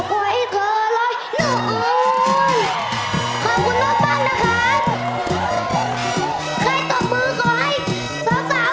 ใครต้องมือขอให้สาวสาวสวยสวยคนนั้น